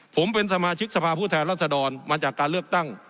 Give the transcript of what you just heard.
ผมเป็นสมาชิกสภาพผู้แทนรัศดรมาจากการเลือกตั้ง